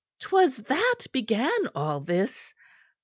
'Twas that began all this.